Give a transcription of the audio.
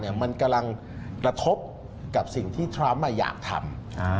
มันกำลังกระทบกับสิ่งที่ทรัมป์อยากทำ